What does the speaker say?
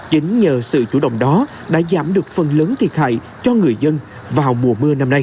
chính nhờ sự chủ động đó đã giảm được phần lớn thiệt hại cho người dân vào mùa mưa năm nay